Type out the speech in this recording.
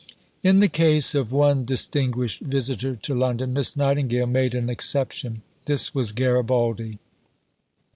In the case of one distinguished visitor to London, Miss Nightingale made an exception. This was Garibaldi.